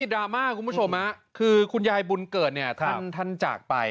ดราม่าคุณผู้ชมคือคุณยายบุญเกิดเนี่ยท่านจากไป